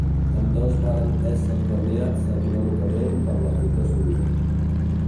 Ambdós varen ésser premiats econòmicament per la fita assolida.